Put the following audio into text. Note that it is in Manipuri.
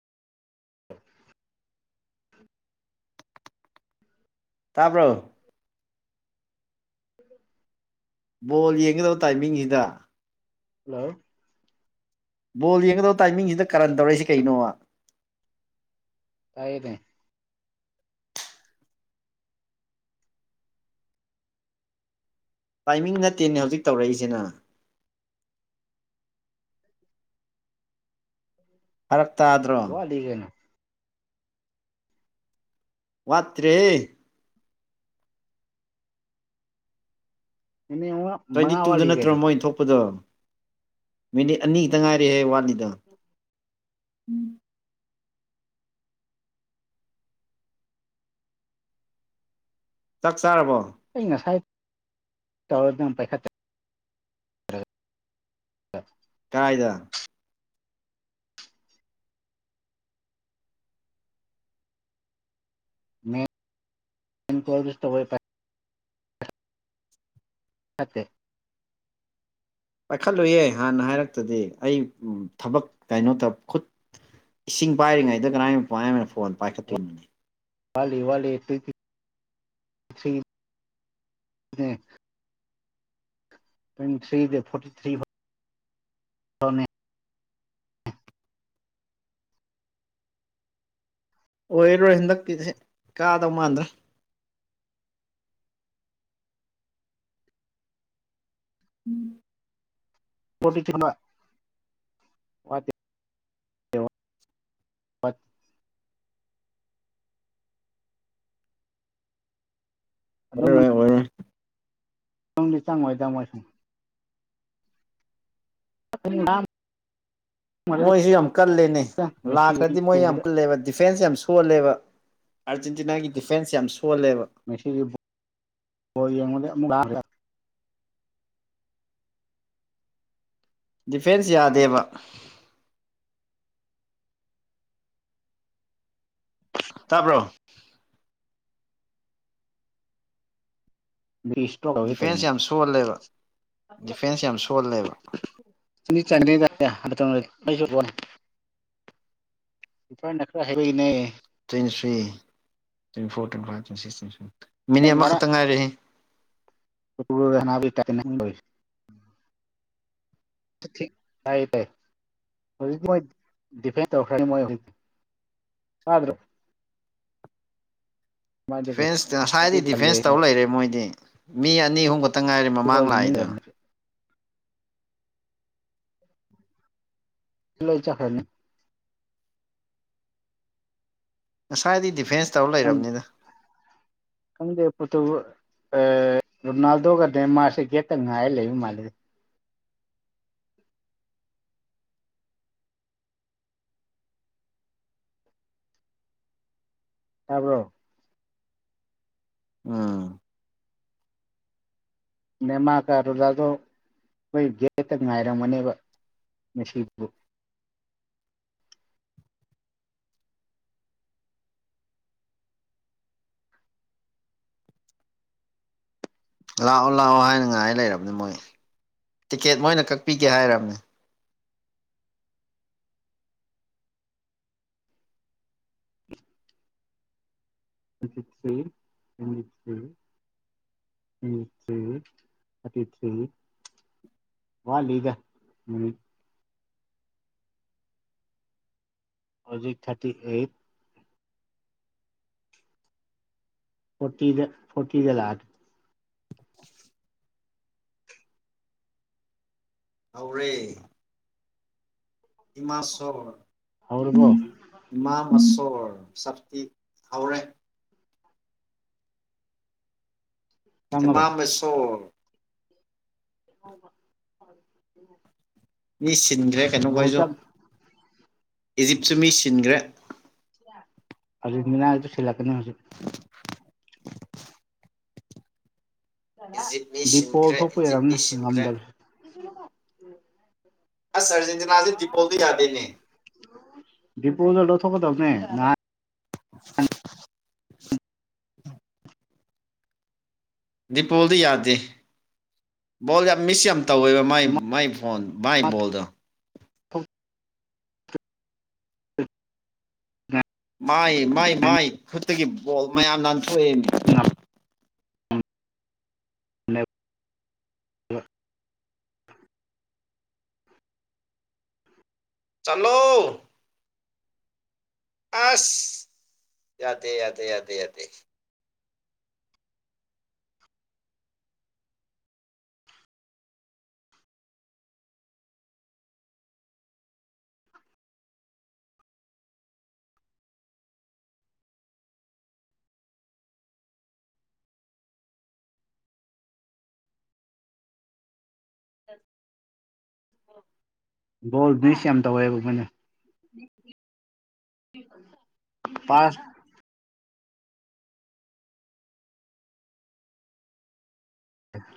ꯇꯥꯕ꯭ꯔꯣ ꯕꯣꯜ ꯌꯦꯡꯒꯗꯧꯕ ꯇꯥꯏꯃꯤꯡꯁꯤꯗ ꯍꯜꯂꯣ ꯕꯣꯜ ꯌꯦꯡꯒꯗꯕ ꯇꯥꯏꯃꯤꯡꯁꯤꯗ ꯀꯥꯔꯟ ꯇꯧꯔꯛꯏꯁꯤ ꯀꯩꯅꯣꯕ ꯇꯥꯏꯌ‌ꯦꯅ‌ꯦ ꯇꯥꯏꯃꯤꯡ ꯅꯠꯇꯦꯅꯦ ꯍꯧꯖꯤꯛ ꯇꯧꯔꯛꯏꯁꯤ ꯅ ꯐꯔꯛ ꯇꯥꯗ꯭ꯔꯣ [unintelligible] ꯋꯥꯠꯇ꯭ꯔꯦꯍꯦ [unintelligible] ꯇ꯭ꯋꯦꯟꯇꯤ ꯇꯨꯗ ꯋꯥꯠꯂꯤ ꯅꯠꯇ꯭ꯔꯣ ꯀꯩꯅꯣ ꯃꯣꯏ ꯊꯣꯛꯄꯗꯣ ꯃꯤꯅꯤꯠ ꯑꯅꯤ ꯈꯛꯇ ꯉꯥꯏꯔꯦꯍꯦ ꯋꯥꯠꯂꯤꯗꯣ ꯆꯥꯛ ꯆꯥꯔꯕꯣ ꯑꯩ ꯉꯁꯥꯏ ꯇꯧꯔꯅꯪ ꯄꯥꯏꯈꯠꯇꯦ ꯀꯥꯏꯗ [unintelligible] [unintelligible] ꯄꯥꯏꯈꯠꯂꯨꯌꯦ ꯍꯥꯟꯅ ꯍꯥꯏꯔꯛꯇꯗꯤ ꯑꯩ ꯊꯕꯛ ꯀꯩꯅꯣꯇ ꯈꯨꯠ ꯏꯁꯤꯡ ꯄꯥꯏꯔꯤꯉꯩꯗ ꯀꯅꯥꯥꯏ ꯀꯃꯥꯏꯅ ꯐꯣꯟ ꯄꯥꯏꯈꯠꯇꯣꯏꯅꯣꯅꯦ ꯋꯥꯠꯂꯤ ꯋꯥꯠꯂꯤ ꯊ꯭ꯔꯤ [unintelligible] ꯊ꯭ꯔꯤ [unintelligible] ꯅ‌ꯦ ꯇ꯭ꯋꯦꯟꯇꯤ ꯊ꯭ꯔꯤꯗꯩ ꯐꯣꯔꯇꯤ ꯊ꯭ꯔꯤ [unintelligible] ꯑꯣꯏꯔꯣꯏ ꯍꯟꯗꯛꯀꯤꯗꯤ ꯀꯥꯗꯧ ꯃꯥꯟꯗ꯭ꯔꯦ [inaudible] ꯄꯣꯠꯇꯤ ꯊꯨꯅ ꯑꯗꯨꯝ ꯑꯣꯏꯔꯣꯏ ꯑꯣꯏꯔꯣꯏ ꯆꯪꯗꯤ ꯆꯪꯉꯣꯏꯗꯥ ꯃꯣꯏ ꯁꯨ [inaudible] ꯃꯣꯏꯁꯨ ꯌꯥꯝ ꯀꯜꯂꯦꯅꯦ ꯃꯦꯁꯤ ꯂꯥꯛꯈ꯭ꯔꯗꯤ ꯃꯣꯏ ꯌꯥꯝ ꯎꯕꯗ ꯀꯜꯂꯦꯕ ꯗꯤꯐꯦꯟꯁ ꯌꯥꯝ ꯁꫭ ꯁꯣꯜꯂꯦꯕ ꯑꯥꯔꯖꯦꯟꯇꯤꯅꯥꯒꯤ ꯗꯤꯐꯦꯟꯁ ꯌꯥꯝ ꯁꯣꯜꯂꯦꯕ ꯉꯁꯤꯗꯤ ꯕꫭꯜ [unintelligible] ꯗꯤꯐꯦꯟꯁ ꯌꯥꯗꯦꯕ ꯇꯥꯕ꯭ꯔꯣ ꯕꯤꯁ ꯗꯤꯐꯦꯟꯁ ꯌꯥꯝ ꯁꯣꯜꯂꯦꯕ ꯗꯤꯐꯦꯟꯁ ꯌꯥꯝ ꯁꯣꯜꯂꯦꯕ [unintelligible] ꯀꯤꯄꫪꯅ ꯈꯔ ꯍꯩꯕꯒꯤꯅꯦ twenty three twenty four twenty five twenty six twenty seven minute ꯉꯔꯥꯡ ꯑꯃꯈꯛꯇꯪ ꯉꯥꯏꯔꯦ [unintelligible] ꯇꯥꯏꯌꯦ ꯇꯥꯏ ꯍꯧꯖꯤꯛ ꯃꯣꯏ ꯗꯤꯐꯦꯟ ꯇꯧꯔꯛꯈ꯭ꯔꯅꯤ ꯃꯣꯏ ꯍꯧꯖꯤꯛꯇꯤ ꯇꯥꯗ꯭ꯔꫭ ꯃꯥꯗꯤ ꯀꯩꯁꯨ ꯐꯔꯦꯟꯁ ꯉꯁꯥꯏꯗꯤ ꯑꯗꯨꯗ ꯗꯤꯐꯦꯟꯁ ꯇꯜꯂꯣꯏ ꯇꯧ ꯃꯣꯏꯁꯨ ꯂꯩꯔꯦ ꯃꯣꯏꯗꯤ ꯃꯤ ꯑꯅꯤ ꯑꯍꯨꯝ ꯈꯛꯇ ꯉꯥꯏꯔꯦ ꯑꯗꯨꯐꯥꯎ ꯃꯃꯥꯡ ꯂꯥꯛꯏꯗꯣ ꯌꯦꯡꯅꯤꯡꯗ꯭ꯔꯕꯅꯤ ꯂꯣꯏ ꯆꯠꯈꯔꯅꯤ ꯉꯁꯥꯏꯗꯩ ꯗꯤꯐꯦꯟꯁ ꯇꯧ ꯂꯩꯔꯕꯅꯤꯗ ꯈꯪꯗꯦ ꯄꫭꫪꯇꯨ ꯑꯦ ꯔꯣꯅꯥꯜꯗꯣꯒ ꯅꯦꯃꯥꯥꫪꯁꯦ ꯒꯦꯠꯇ ꯉꯥꯏꯔ ꯂꯩ ꯃꯥꯜꯂꯦꯗ ꯇꯥꯕ꯭ꯔꯣ ꯎꯝ ꯅꯦꯃꯥꯀ ꯔꯣꯂꯥꯗꯣ ꯑꯩꯈꯣꯏ ꯒꯦꯠꯇ ꯉꯥꯏꯔꯝꯒꯅꯦꯕ ꯃꯤꯁꯤꯕꯨ꯫ ꯂꯥꯛꯑꯣ-ꯂꯥꯛꯑꯣ ꯍꯥꯏꯅ ꯉꯥꯏ ꯂꯩꯔꯕꯅꯤ ꯃꯣꯏ ꯇꯤꯛꯀꯦꯠ ꯃꯣꯏꯅ ꯀꯛꯄꯤꯒꯦ ꯍꯥꯏꯔꯕꯅꯦ꯫ [inaudible] [inaudible] ꯋꯥꯠꯂꯤꯗ ꯃꯤꯅꯤꯠ꯫ ꯍꯧꯖꯤꯛ ꯊꯥꯔꯇꯤ ꯑꯦꯠ ꯐꯣꯔꯇꯤꯗ ꯐꯣꯔꯇꯤꯗ ꯂꯥꯛꯑꯦ [inaudible] ꯍꯧꯔꯦ ꯏꯃꯥꯁꫭꫪ ꯍꯧꯔꯕꯣ ꯏꯃꯥ ꯃꯁꯣꯔ [unintelligible] ꯆꯪꯉꯕꯣ ꯏꯃꯥꯝꯃꯁꯣꯔ [inaudible] ꯃꯤ ꯁꯤꯟꯒ꯭ꯔꯦ ꯒꯣꯜ ꯀꯩꯅꯣꯈꫭꯏꯁꯨ ꯆꯪ ꯏꯖꯤꯞꯁꯨ ꯃꯤ ꯁꯤꯟꯒ꯭ꯔꯦ꯫ ꯑꯥꯔꯒꯦꯟꯇꯤꯅꯥꯁꯨ ꯁꯥꯜꯂꯛꯀꯅꯤ ꯍꯧꯖꯤꯛ꯫ ꯏꯖꯤꯞ ꯃꯤ ꯗꯤ ꯄꯣꯜ ꯁꯤꯟꯈ꯭ꯔꯦ ꯊꯣꯛꯄꯩ ꯏꯖꯤꯞ ꯑꫭꯏꯔꯝꯅꯤ ꯃꯤ ꯁꯤꯟꯈ꯭ꯔꯦ ꯉꯝꯗꯕꯁꯦ꯫ ꯑꯁ ꯑꯔꯖꯦꯟꯇꯤꯅꯥꯁꯤ ꯗꯤ ꯄꯣꯜꯗꯤ ꯌꯥꯗꯦꯅꯦ꯫ ꯗꯤꯄꫭꯜꯗꫭ ꯂꯧꯊꫭꯛꯀꯗꯕꯅꯦ ꯅꯥ [unintelligible] ꯗꯤꯄꯣꯜꯗꯤ ꯌꯥꯗꯦ ꯕꯣꯜ ꯌꯥꯝ ꯃꯤꯁ ꯌꯥꯝ ꯇꯧꯋꯦꯕ ꯃꯥꯏ ꯃꯥꯏ ꯕꯣꯟ ꯃꯥꯏ ꯕꯣꯜꯗꫭ꯫ [inaudible] [inaudible] ꯃꯥꯏ ꯃꯥꯏ ꯃꯥꯏ ꯈꯨꯠꯇꯒꯤ ꯕꯣꯜ ꯃꯌꯥꯝ ꯅꯥꯟꯊꯣꯛꯑꯦꯃꯤ꯫ [unintelligible] ꯆꯜꯂꯣ꯫ ꯑꯥꯁ ꯌꯥꯗꯦ ꯌꯥꯗꯦ ꯌꯥꯗꯦ ꯌꯥꯗꯦ꯫ [inaudible] ꯕꯣꯜ ꯃꯤꯁ ꯌꯥꯝ ꯇꯧꯋꯦꯕ ꯃꯣꯏꯅ꯫ ꯄꯥꯁ